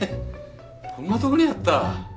こんなとこにあった。